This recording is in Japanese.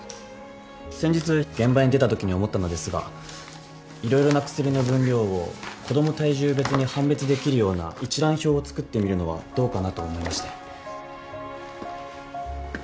先日現場に出たときに思ったのですが色々な薬の分量を子供体重別に判別できるような一覧表を作ってみるのはどうかなと思いまして。